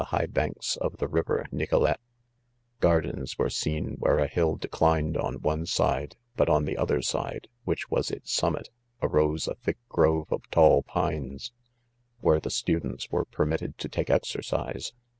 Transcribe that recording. high banks of the river Nicolet, .Gardens were seen where a hill declined on one .side, "but on the other side, which was its summit, arose a thick grove of tall pines, where the students were permitted to take exercise.